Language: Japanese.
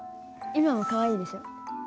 今もかわいいでしょ？